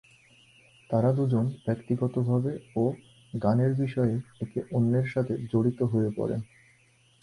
তারা দুজন ব্যক্তিগতভাবে ও গানের বিষয়ে একে অন্যের সাথে জড়িত হয়ে পরেন।